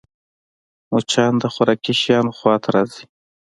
مچان د خوراکي شيانو خوا ته راځي